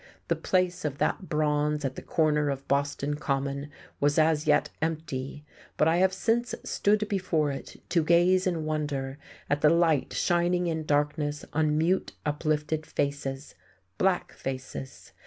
The place of that bronze at the corner of Boston Common was as yet empty, but I have since stood before it to gaze in wonder at the light shining in darkness on mute, uplifted faces, black faces!